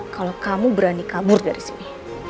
kalau kamu berani kabur dari sini